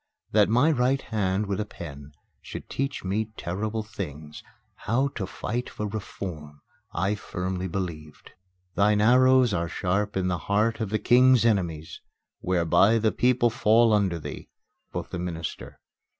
That my right hand with a pen should teach me terrible things how to fight for reform I firmly believed. "Thine arrows are sharp in the heart of the King's enemies, whereby the people fall under thee," quoth the minister.